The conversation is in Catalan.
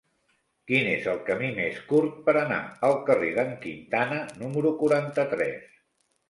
Quin és el camí més curt per anar al carrer d'en Quintana número quaranta-tres?